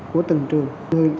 của từng trường